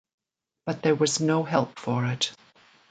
But there was no help for it.